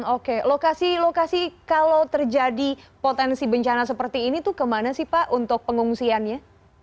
oke lokasi lokasi kalau terjadi potensi bencana seperti ini tuh kemana sih pak untuk pengungsiannya